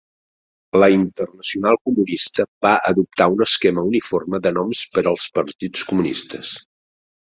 La Internacional Comunista va adoptar un esquema uniforme de noms per als partits comunistes.